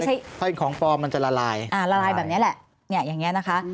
ถ้าเป็นของปลอมมันจะละลายละลายแบบนี้แหละอย่างนี้นะคะ